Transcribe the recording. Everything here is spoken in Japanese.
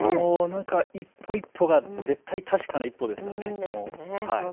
一歩一歩が絶対に確かな一歩ですね。